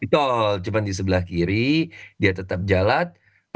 di tol cuman di sebelah kiri dia tetap jalan